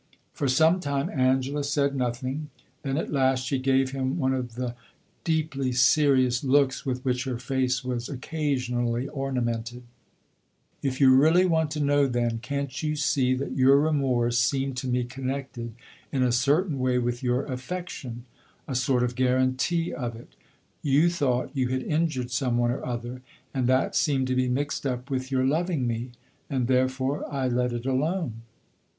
For some time Angela said nothing, then at last she gave him one of the deeply serious looks with which her face was occasionally ornamented. "If you want really to know, then can't you see that your remorse seemed to me connected in a certain way with your affection; a sort of guarantee of it? You thought you had injured some one or other, and that seemed to be mixed up with your loving me, and therefore I let it alone."